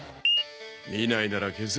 見ないなら消せ。